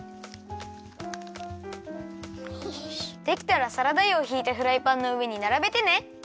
できたらサラダ油をひいたフライパンのうえにならべてね。